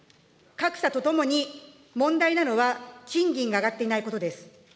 格差とともに問題なのは、賃金が上がっていないことです。